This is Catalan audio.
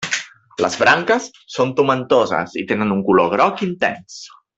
Les branques són tomentoses i tenen un color groc intens.